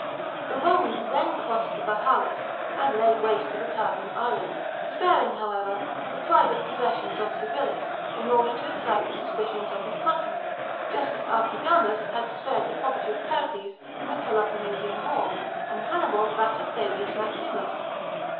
The Romans then crossed the Vahalis, and laid waste the Batavian Island, sparing, however, the private j ossessions of Civilis, in order to excite the suspicions of his countryrren, just as Archidamus had spared the property of Pericles in the Pelopocnesian war, and Hannibal that of Fabius Maximus.